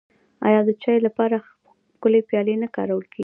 آیا د چای لپاره ښکلې پیالې نه کارول کیږي؟